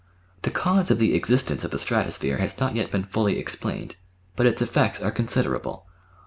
The cause of the existence of the stratosphere has not yet been fully explained, but its effects are considerable.